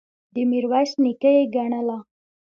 د میرویس نیکه یې ګڼله.